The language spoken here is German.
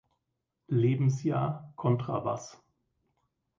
Lebensjahr Kontrabass.